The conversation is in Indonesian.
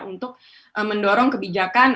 untuk mendorong kebijakan